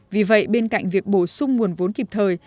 vì vậy bên cạnh việc bổ sung nguồn vốn kịp thời